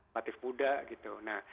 latif muda gitu